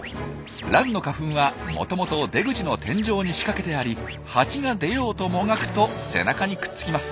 ランの花粉はもともと出口の天井に仕掛けてありハチが出ようともがくと背中にくっつきます。